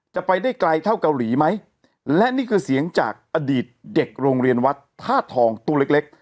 จะไปได้ไกลเท่าเกาหลีไหมและนี่คือเสียงจากอดีตเด็กโรงเรียนวัดธาตุทองตัวเล็กเล็ก